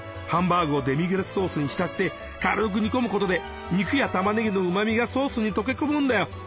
ハンバーグをデミグラスソースにひたして軽く煮込むことで肉やたまねぎのうまみがソースに溶け込むんだよ。